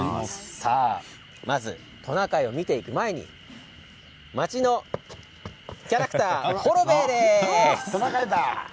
トナカイを見ていく前に町のキャラクターホロベーです。